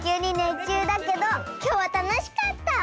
っちゅうだけどきょうはたのしかった！